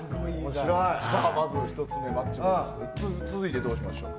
まず１つ目、マッチ棒で続いてはどうしましょう。